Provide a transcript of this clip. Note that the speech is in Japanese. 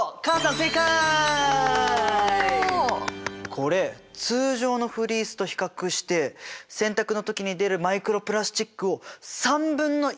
これ通常のフリースと比較して洗濯の時に出るマイクロプラスチックを３分の１まで削減したんだって。